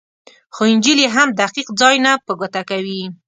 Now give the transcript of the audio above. خو انجیل یې هم دقیق ځای نه په ګوته کوي.